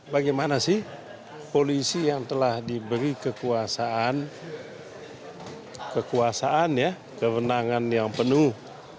bagaimana sih polisi yang telah diberi kekuasaan kekuasaan ya kewenangan yang penuh